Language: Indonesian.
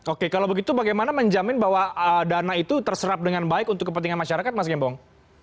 oke kalau begitu bagaimana menjamin bahwa dana itu terserap dengan baik untuk kepentingan masyarakat mas gembong